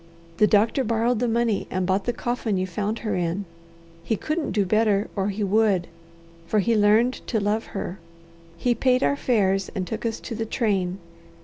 The doctor borrowed the money and bought the coffin you found her in. He couldn't do better or he would, for he learned to love her. He paid our fares and took us to the train.